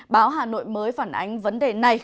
báo hà nội mới phản ánh vấn đề này